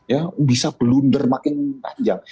ya bisa blunder makin panjang